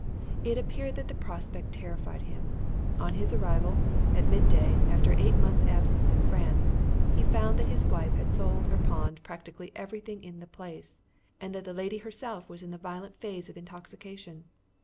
It appeared that the prospect terrified him. On his arrival, at midday, after eight months' absence in France, he found that his wife had sold or pawned practically everything in the place, and that the lady herself was in the violent phase of intoxication.